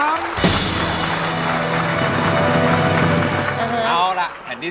ตัดสินใจให้ดี